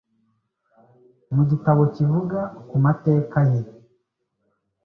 Mu gitabo kivuga ku mateka ye,